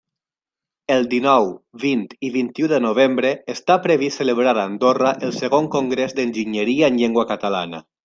El dinou, vint i vint-i-u de novembre està previst celebrar a Andorra el Segon Congrés d'Enginyeria en Llengua Catalana.